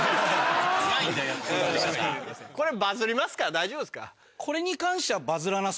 大丈夫ですか？